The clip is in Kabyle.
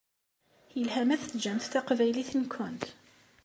Yelha ma teǧǧamt taqbaylit-nkent?